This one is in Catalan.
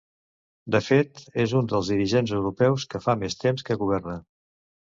De fet, és un dels dirigents europeus que fa més temps que governa.